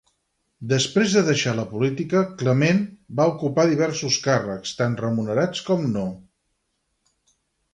Després de deixar la política, Clement va ocupar diversos càrrecs, tant remunerats com no.